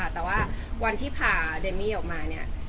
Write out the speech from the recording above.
แต่วันที่ผ่าเดมมี่ออกมา